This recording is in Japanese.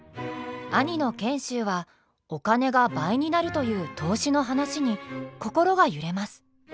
兄の賢秀はお金が倍になるという投資の話に心が揺れます。